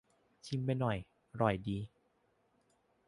ชิมไปหน่อย อร่อยดี